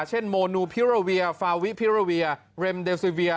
โมนูพิราเวียฟาวิพิราเวียเร็มเดซิเวีย